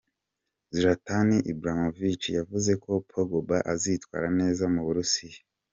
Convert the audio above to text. Zlatan Ibrahimovic yavuze ko Pogba azitwara neza mu Burusiya.